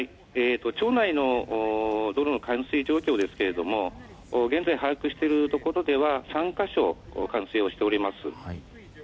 町内の道路の冠水状況ですけれども現在、把握しているところでは３か所冠水しております。